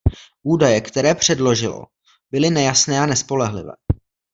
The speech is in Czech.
Údaje, které předložilo, byly nejasné a nespolehlivé.